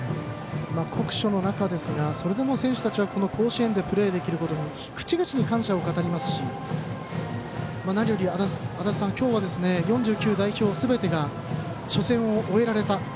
酷暑の中ですがそれでも選手たちは甲子園でプレーできることに口々に感謝を言ってますし何より、今日は４９代表すべてが初戦を終えられた。